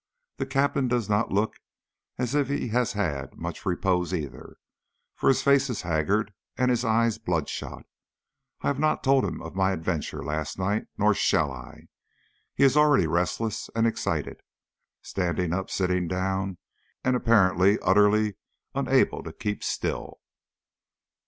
The Captain does not look as if he had had much repose either, for his face is haggard and his eyes bloodshot. I have not told him of my adventure of last night, nor shall I. He is already restless and excited, standing up, sitting down, and apparently utterly unable to keep still.